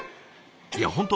いや本当